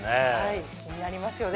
気になりますよね？